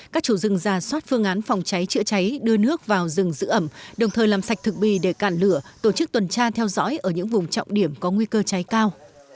các chủ rừng ra soát phương án phòng cháy chữa cháy đưa nước vào rừng giữ ẩm đồng thời làm sạch thực bì để cản lửa tổ chức tuần tra theo dõi ở những vùng trọng điểm có nguy cơ cháy cao